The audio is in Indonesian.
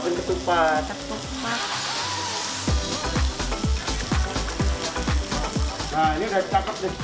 nah ini udah cakep sih